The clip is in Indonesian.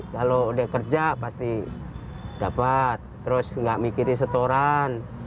kalau udah kerja pasti dapat terus nggak mikirin setoran